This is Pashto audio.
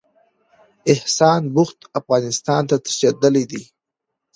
احسان بخت افغانستان ته تښتېدلی دی.